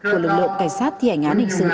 của lực lượng cảnh sát thi hành án hình sự